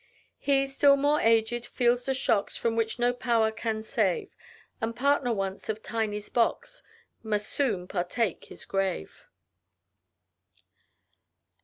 He, still more aged, feels the shocks, From which no power can save, And, partner once of Tiney's box, Must soon partake his grave.